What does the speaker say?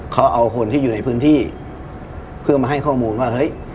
เขาเอาคนที่อยู่ในพื้นที่เพื่อมาให้ข้อมูลว่าเฮ้ย